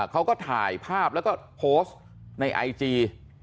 เขาก็ถ่ายภาพแล้วก็โพสต์ในไอจี